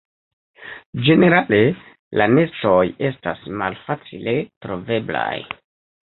Ĝenerale la nestoj estas malfacile troveblaj.